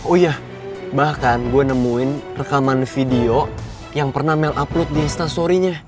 oh iya bahkan gue nemuin rekaman video yang pernah mel upload di instastory nya